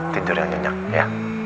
tidur yang nyenyak ya